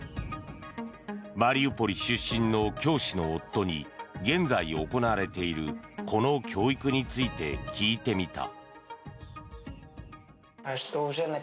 マリウポリ出身の教師の夫に現在、行われているこの教育について聞いてみた。